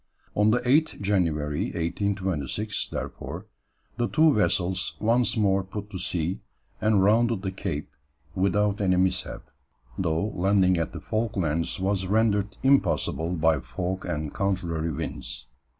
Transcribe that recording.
On the 8th January, 1826, therefore, the two vessels once more put to sea, and rounded the Cape without any mishap, though landing at the Falklands was rendered impossible by fog and contrary winds.